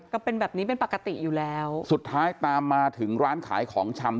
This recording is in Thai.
ก็เป็นแบบนี้เป็นปกติอยู่แล้วสุดท้ายตามมาถึงร้านขายของชำ